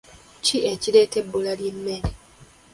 Kiki ekireeta ebbula ly'emmere?